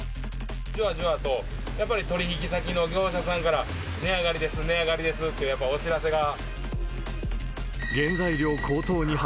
じわじわと、やっぱり取引先の業者さんから、値上がりです、値上がりですって、やっぱお知らせが。